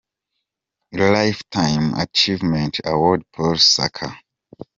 Life Time Achievement Award Paul Saka.